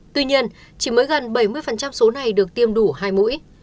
tuy nhiên chỉ mới gần bảy mươi số này được tiêm đủ hai mũi